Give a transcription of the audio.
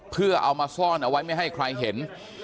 เพื่อเอามาซ่อนเอาไว้ไม่ให้ใครเห็น